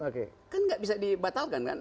kan nggak bisa dibatalkan kan